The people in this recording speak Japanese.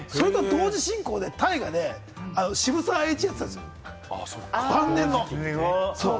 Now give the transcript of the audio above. それと同時進行で、大河で渋沢栄一やってたんです、晩年の。